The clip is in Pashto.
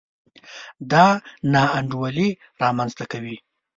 دا نا انډولي رامنځته کوي.